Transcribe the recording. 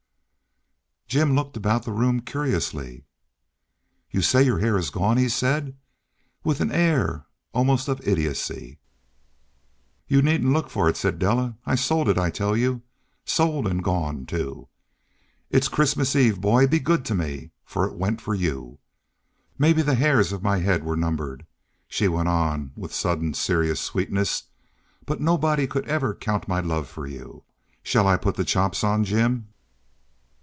Jim looked about the room curiously. "You say your hair is gone?" he said, with an air almost of idiocy. "You needn't look for it," said Della. "It's sold, I tell you—sold and gone, too. It's Christmas Eve, boy. Be good to me, for it went for you. Maybe the hairs of my head were numbered," she went on with sudden serious sweetness, "but nobody could ever count my love for you. Shall I put the chops on, Jim?"